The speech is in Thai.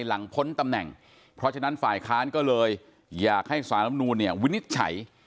หลังพ้นตำแหน่งเพราะฉะนั้นฝ่ายค้านก็เลยอยากให้สารลำนูนเนี่ยวินิจฉัย